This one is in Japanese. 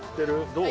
どう？